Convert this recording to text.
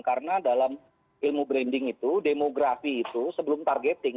karena dalam ilmu branding itu demografi itu sebelum targeting